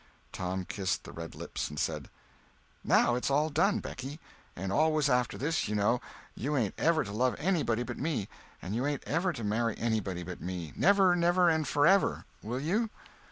Tom kissed the red lips and said: "Now it's all done, Becky. And always after this, you know, you ain't ever to love anybody but me, and you ain't ever to marry anybody but me, ever never and forever. Will you?"